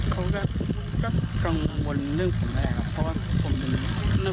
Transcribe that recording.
เขาก็กังวลเรื่องผมแหละครับเพราะผมเป็นในโรคส่วนตัวเลย